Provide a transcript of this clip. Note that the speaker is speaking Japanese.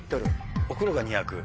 お風呂が２００。